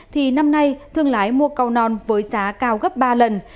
thì năm nay thương lái mua cao non với giá cao gấp ba lần